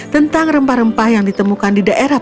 tentang rempah rempah yang ditemukan di daerah